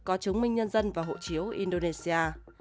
có chứng minh nhân dân và hộ chiếu indonesia